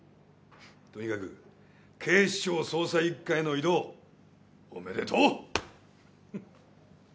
とにかく警視庁捜査一課への異動おめでとう。